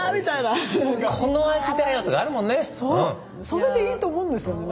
それでいいと思うんですよね。